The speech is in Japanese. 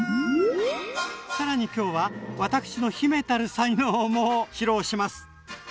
さらに今日は私の秘めたる才能も披露します！